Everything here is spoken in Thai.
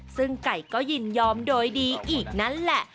ซึ่งไก่ก็ยินยอมโดยดีอีกนั่นแหละ